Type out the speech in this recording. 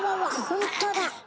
ほんとだ！